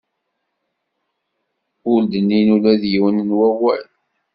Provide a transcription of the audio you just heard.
Ur d-nnin ula d yiwen n wawal.